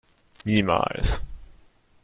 Niemals!